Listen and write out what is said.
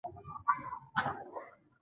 له زغم سره هره ستونزه حل کېدونکې ده.